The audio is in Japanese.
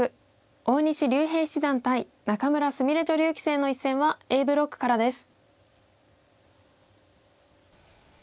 大西竜平七段対仲邑菫女流棋聖の一戦はＡブロックからです。